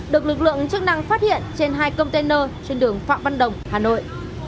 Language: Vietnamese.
được lực lượng chức năng phát hiện trên hai container trên đường phạm văn đồng hà nội